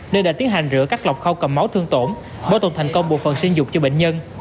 nên đã tiến hành rửa các lọc khâu cầm máu thương tổn bảo tồn thành công bộ phần sinh dục cho bệnh nhân